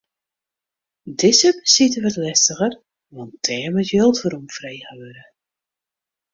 Dizze besite wurdt lestiger, want der moat jild weromfrege wurde.